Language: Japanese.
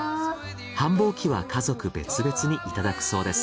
繁忙期は家族別々にいただくそうです。